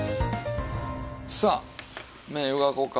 さあ麺湯がこうか。